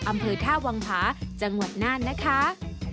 อำเภอท่าวังผาจังหวัดน่านนะคะ